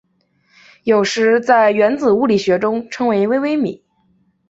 有时在原子物理学中称为微微米。